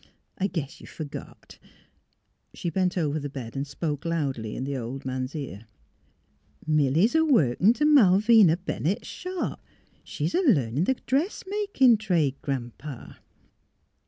I guess you f ergot " She bent over the bed and spoke loudly in the old man's ear: *' Milly 's a workin' t' Malvina Bennett's shop. She's a learnin' th' dressmakin' trade, Gran 'pa!